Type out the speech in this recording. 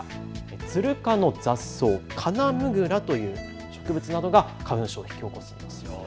ツル科の雑草、カナムグラという植物などが花粉症を引き起こすんだそうです。